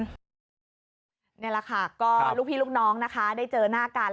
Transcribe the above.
นี่แหละค่ะก็ลูกพี่ลูกน้องนะคะได้เจอหน้ากัน